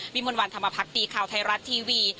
วิมวันวันธรรมพักตีคลาวไทยรัตน์ทีวี